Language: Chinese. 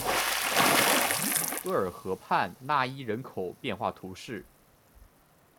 厄尔河畔讷伊人口变化图示